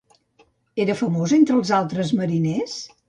Era famós entre els altres mariners?